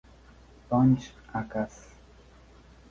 Punch" a Cass.